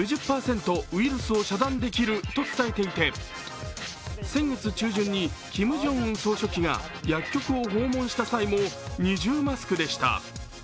ウイルスを遮断できると伝えていて先月中旬にキム・ジョンウン総書記が薬局を訪問した際も二重マスクでした。